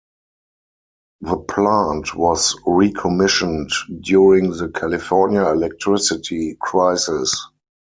The plant was recommissioned during the California electricity crisis.